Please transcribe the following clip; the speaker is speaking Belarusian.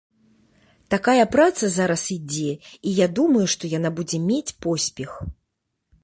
Такая праца зараз ідзе, і я думаю, што яна будзе мець поспех.